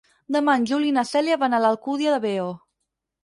Demà en Juli i na Cèlia van a l'Alcúdia de Veo.